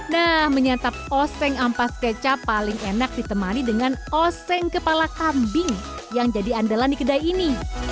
nah menyatap oseng ampas kecap paling enak ditemani dengan oseng kepala kambing yang jadi andalan di kedai ini